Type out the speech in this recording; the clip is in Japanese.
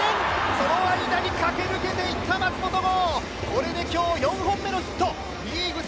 その間に駆け抜けていった松本剛